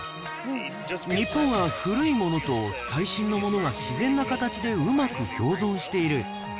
日本は古いものと最新のものが自然な形でうまく共存している。